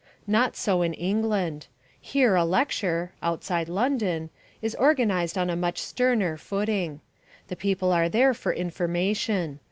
Not so in England. Here a lecture (outside London) is organised on a much sterner footing. The people are there for information.